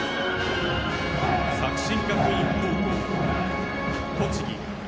作新学院高校・栃木。